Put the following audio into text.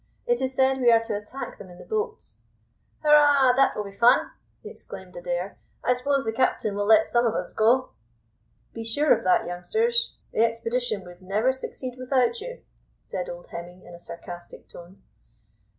"It is said we are to attack them in the boats." "Hurrah! that will be fun!" exclaimed Adair. "I suppose the captain will let some of us go." "Be sure of that, youngsters; the expedition would never succeed without you," said old Hemming in a sarcastic tone.